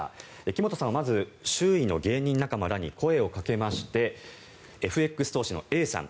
木本さんはまず周囲の芸人仲間らに声をかけましてＦＸ投資のＡさん